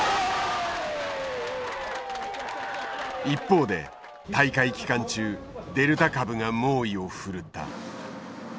一方で大会期間中デルタ株が猛威を振るった。